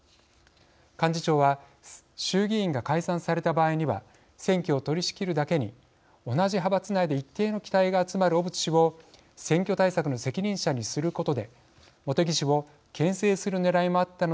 幹事長は衆議院が解散された場合には選挙を取りしきるだけに同じ派閥内で一定の期待が集まる小渕氏を選挙対策の責任者にすることで茂木氏をけん制するねらいもあったのではないでしょうか。